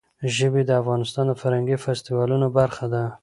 ژبې د افغانستان د فرهنګي فستیوالونو برخه ده.